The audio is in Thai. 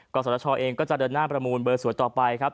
ศรชเองก็จะเดินหน้าประมูลเบอร์สวยต่อไปครับ